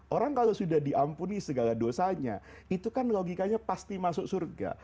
orang kalau sudah diampuni segala dosanya itu kan logikanya pasti masuk surga